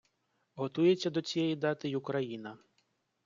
Готується до цієї дати й Україна.